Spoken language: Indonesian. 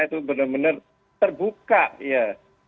itu benar benar terbuka ya